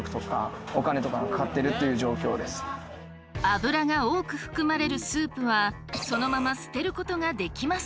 油が多く含まれるスープはそのまま捨てることができません。